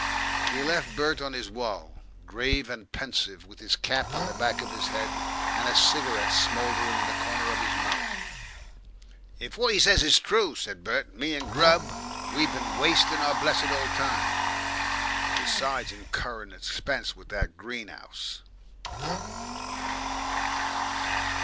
He left Bert on his wall, grave and pensive, with his cap on the back of his head, and a cigarette smouldering in the corner of his mouth. "If what he says is true," said Bert, "me and Grubb, we been wasting our blessed old time. Besides incurring expense with that green 'ouse."